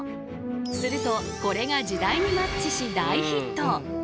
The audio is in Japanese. するとこれが時代にマッチし大ヒット！